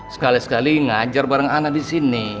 sekali sekali ngajar bareng ana disini